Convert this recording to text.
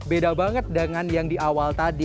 beda banget dengan yang di awal tadi